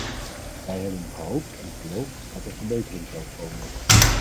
Wij hebben gehoopt en geloofd dat er verbetering zou komen.